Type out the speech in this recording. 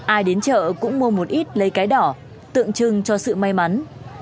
ai đến chợ cũng mua một ít lấy cái đỏ tượng trưng cho sự may mắn